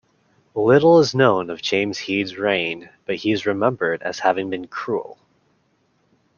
Little is known of Jamsheed's reign, but he is remembered as having been cruel.